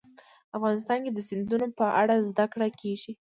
افغانستان کې د سیندونه په اړه زده کړه کېږي.